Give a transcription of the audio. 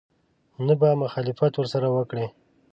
نه به مخالفت ورسره وکړي.